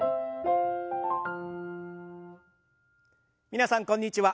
皆さんこんにちは。